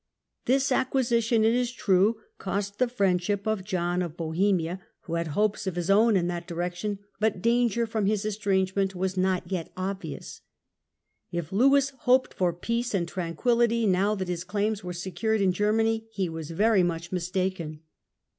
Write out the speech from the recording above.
This acquisi tion, it is true, cost the friendship of John of Bohemia, GER])^ANY AND THE EMPIRE, 1273 1378 17 who had hopes of his own in that direction, but danger from his estrangement was not yet obvious. If Lewis hoped for peace and tranquiUity, now that his claims were secured in Germany, he was very much mistaken.